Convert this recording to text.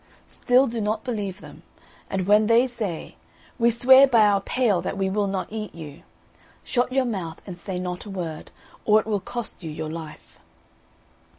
Still do not believe them; and when they say, We swear by our pail that we will not eat you!' shut your mouth, and say not a word, or it will cost you your life.